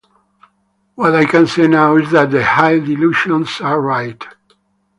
What I can say now is that the high dilutions are right.